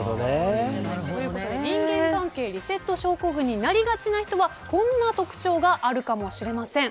人間関係リセット症候群になりがちな人はこんな特徴があるかもしれません。